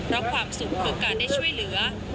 เพราะความสุขคือการได้ช่วยเหลือ